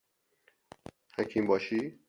حکیم باشی